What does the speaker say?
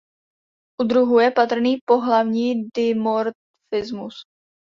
U druhu je patrný pohlavní dimorfismus.